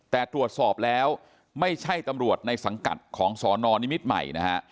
แต่ตรวจสอบแล้วไม่ใช่ตำรวจในสังกัดของสนนิมิตรใหม่นะฮะ